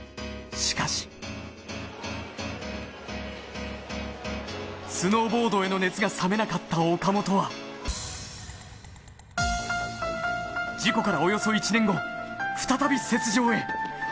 しかし、スノーボードへの熱が冷めなかった岡本は事故からおよそ１年後再び雪上へ。